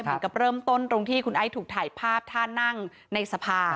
เหมือนกับเริ่มต้นตรงที่คุณไอ้ถูกถ่ายภาพท่านั่งในสภา